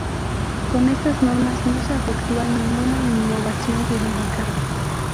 Con estas normas no se efectúa ninguna innovación jurídica.